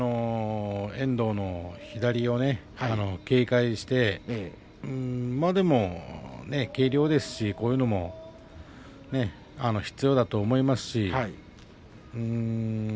遠藤の左を警戒して軽量ですしこういうのも必要だと思いますし